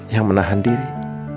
yang menahan diri